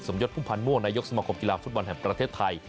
สมยศภูมิพนายกสมครรภ์กีฬาฟุตบอลแห่งประเทศไทย